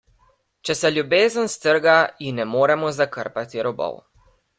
Če se ljubezen strga, ji ne moremo zakrpati robov.